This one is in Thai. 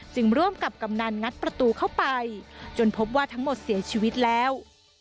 ร่วมกับกำนันงัดประตูเข้าไปจนพบว่าทั้งหมดเสียชีวิตแล้ว